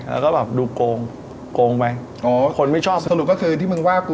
แล้วก็แบบดูโกงโกงไปอ๋อคนไม่ชอบสรุปก็คือที่มึงว่ากู